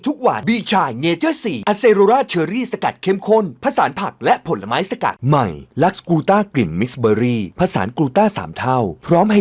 ลูกคนนั้นเรียนจบสูงแต่ไม่มีงานทำมา